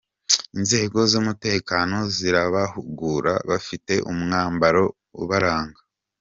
Inzego z’umutekeno zirabahugura, bafite n’umwambaro ubaranga.